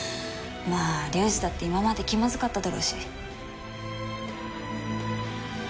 まあ龍二だって今まで気まずかっただろうし。